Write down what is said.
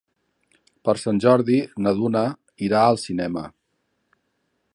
Per Sant Jordi na Duna irà al cinema.